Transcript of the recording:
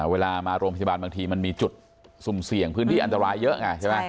เวลามาโรงพยาบาลบางทีมันมีจุดสุ่มเสี่ยงพื้นที่อันตรายเยอะไงใช่ไหม